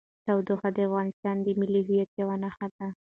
تودوخه د افغانستان د ملي هویت یوه نښه ده.